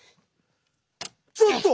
ちょっと！